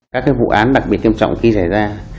các vụ án đặc biệt nghiêm trọng khi xảy ra